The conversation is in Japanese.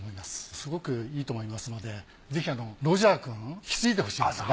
すごくいいと思いますのでぜひロジャーくんに引き継いでほしいですね。